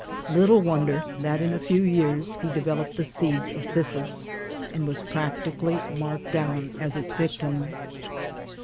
Little wonder that in a few years he developed the seeds of phthisis, and was practically marked down as its victim.